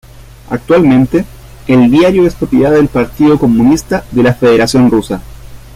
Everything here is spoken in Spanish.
Actualmente, el diario es propiedad del Partido Comunista de la Federación Rusa.